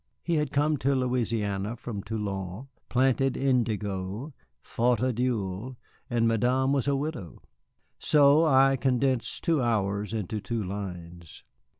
He had come to Louisiana from Toulon, planted indigo, fought a duel, and Madame was a widow. So I condense two hours into two lines.